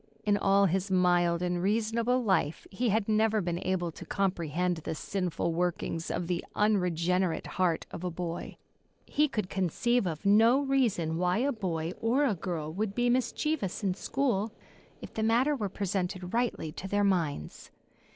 In all his mild and reasonable life, he had never been able to comprehend the sinful workings of the unregenerate heart of a boy. He could conceive of no reason why a boy or a girl would be mischievous in school, if the matter were presented rightly to their minds.